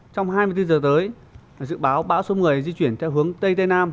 trong hai mươi bốn giờ tới dự báo bão số một mươi di chuyển theo hướng tây tây nam